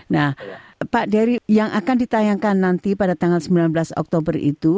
nah pak derry yang akan ditayangkan nanti pada tanggal sembilan belas oktober itu